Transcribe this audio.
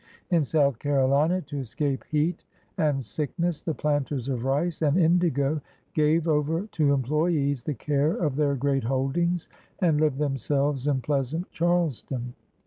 In South Carolina, to escape heat and sickness, the planters of rice and indigo gave over to employees the care of their great holdings and lived themselves in pleasant Charleston.